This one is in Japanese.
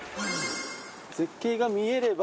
絶景が見えれば。